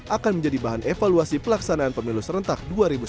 akan menjadi bahan evaluasi pelaksanaan pemilu serentak dua ribu sembilan belas